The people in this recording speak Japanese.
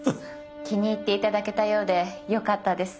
気に入っていただけたようでよかったです。